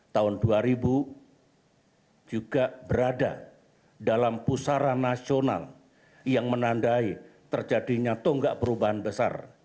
seribu sembilan ratus sembilan puluh sembilan tahun dua ribu juga berada dalam pusara nasional yang menandai terjadinya tonggak perubahan besar